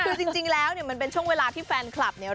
คือจริงแล้วเนี่ยมันเป็นช่วงเวลาที่แฟนคลับเนี่ย